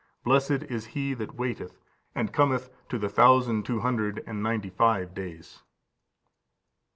Blessed is he that waiteth, and cometh to the thousand two hundred and ninety five days."